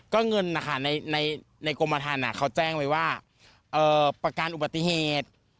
ก็เงินนะคะในกรมฐานเขาแจ้งไว้ว่าประกันอุบัติเหตุ